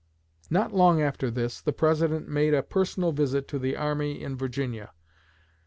Not long after this, the President made a personal visit to the army in Virginia.